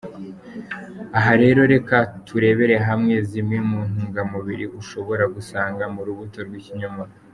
Aha rero reka turebere hamwe zimwe mu ntungamubiri ushobora gusanga mu rubuto rw’ikinyomoro:.